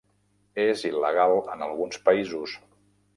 És il·legal en alguns països.